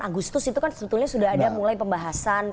agustus itu kan sebetulnya sudah ada mulai pembahasan